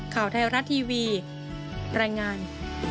ข่าวไทยรัฐทีวีรายงาน